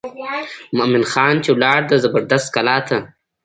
مومن خان چې ولاړ د زبردست کلا ته.